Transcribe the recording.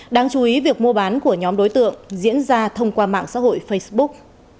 đáng chú ý việc mua bán của nhóm đối tượng diễn ra thông qua mạng xã hội facebook